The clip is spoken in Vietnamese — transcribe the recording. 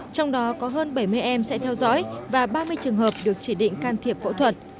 trong đó có hơn bảy mươi em sẽ theo dõi và ba mươi trường hợp được chỉ định can thiệp phẫu thuật